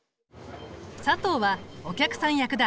佐藤はお客さん役だ。